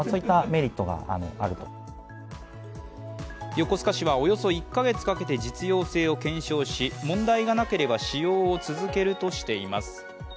横須賀市はおよそ１か月かけて実用性を検証し、問題がなければ使用を続けるとしています。